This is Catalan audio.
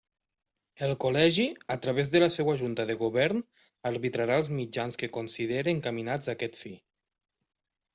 El Col·legi a través de la seua Junta de Govern, arbitrarà els mitjans que considere encaminats a aquest fi.